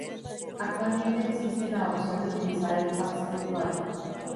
Actualmente existe la opción de utilizar el Fax virtual.